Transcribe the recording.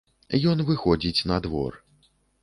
Ён выходзіць на двор.